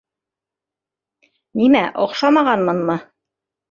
Нимә, оҡшамағанмынмы?